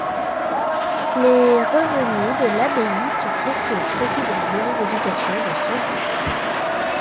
Les revenus de l'abbaye sont confiés au profit de la maison d'éducation de Saint-Cyr.